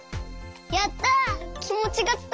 やった！